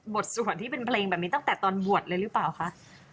ส่วนที่เป็นเพลงแบบนี้ตั้งแต่ตอนบวชเลยหรือเปล่าคะ